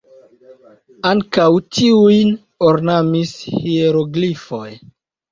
Ankaŭ tiujn ornamis hieroglifoj.